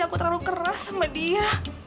aku terlalu keras sama dia